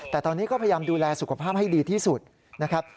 แต่ตอนนี้ก็พยายามดูแลสุขภาพให้ดีที่สุดนะครับ